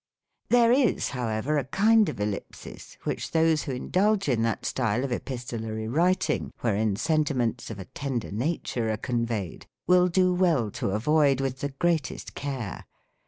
There is, however, a kind of ellipsis which those who indulge in that style of epistolary writing, wherein sentiments of a tender nature are conveyed, will do well to avoid with the greatest care.